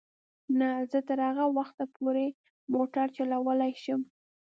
نه، زه تر هغه وخته پورې موټر چلولای شم.